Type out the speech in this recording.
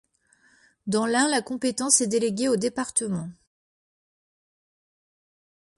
Dans l'Ain, la compétence est délégué au département.